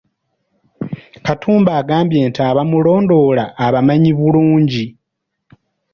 Katumba agambye nti abamulondoola abamanyi bulungi.